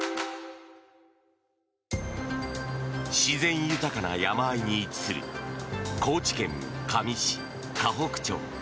自然豊かな山あいに位置する高知県香美市香北町。